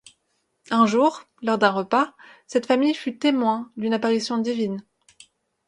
Un jour, lors d'un repas, cette famille fut témoin d'une apparition divine.